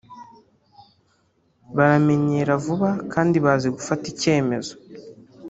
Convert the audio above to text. baramenyera vuba kandi bazi gufata icyemezo